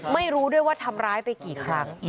ไม่รู้ด้วยว่าทำร้ายไปกี่ครั้ง